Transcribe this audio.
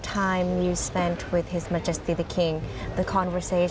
ในช่วงที่สุดท้ายของชีวิต